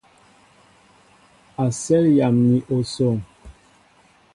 Asέl yam ni osoŋ.